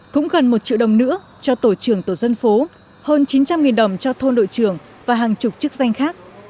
cũng gần một triệu đồng nữa cho tổ trưởng tổ dân phố hơn chín trăm linh đồng cho thôn đội trưởng và hàng chục chức danh khác